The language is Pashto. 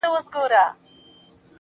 جهاني صاحب د هارون حکیمي